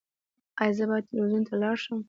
ایا زه باید تلویزیون ته لاړ شم؟